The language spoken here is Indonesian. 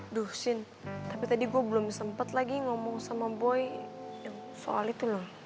aduh jin tapi tadi gue belum sempet lagi ngomong sama boy soal itu loh